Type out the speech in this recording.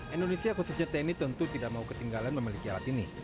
indonesia khususnya tni tentu tidak mau ketinggalan memiliki alat ini